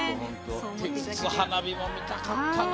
手筒花火も見たかったな。